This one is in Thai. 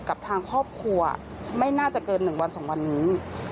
กับทางครอบครัวไม่น่าจะเกิน๑วัน๒วันนี้